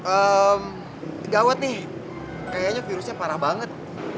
eh gawat nih kayaknya virusnya parah banget